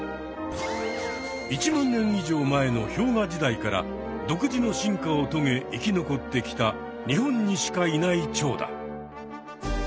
１万年以上前の氷河時代から独自の進化をとげ生き残ってきた日本にしかいないチョウだ。